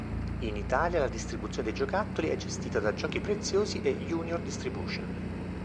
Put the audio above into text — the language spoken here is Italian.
In Italia la distribuzione dei giocattoli è gestita da Giochi Preziosi e Junior Distribution.